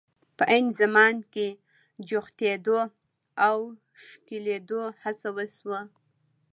په عین زمان کې جوختېدو او ښکلېدو هڅه وشوه.